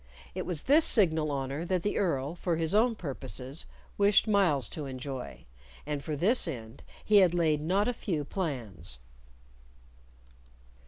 It was this signal honor that the Earl, for his own purposes, wished Myles to enjoy, and for this end he had laid not a few plans.